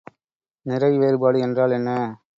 நிறை வேறுபாடு என்றால் என்ன?